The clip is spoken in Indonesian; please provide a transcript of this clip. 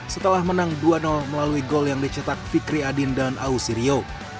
setelah menang dua melalui gol yang dicetak fikri adin dan ausirio